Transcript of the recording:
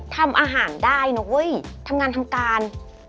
ทำอาหารได้นะเว้ยทำงานทำการ